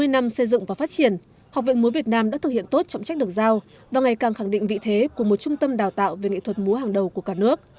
sáu mươi năm xây dựng và phát triển học viện múa việt nam đã thực hiện tốt trọng trách được giao và ngày càng khẳng định vị thế của một trung tâm đào tạo về nghệ thuật múa hàng đầu của cả nước